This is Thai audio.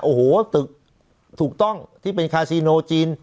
โอ้โหตึกถูกต้องที่เป็นจีน